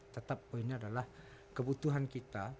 tetap poinnya adalah kebutuhan kita